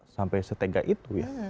sampai setega itu ya